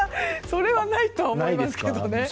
それはないと思いますけどね。